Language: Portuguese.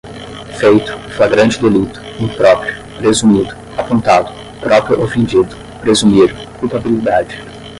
feito, flagrante delito, impróprio, presumido, apontado, próprio ofendido, presumir, culpabilidade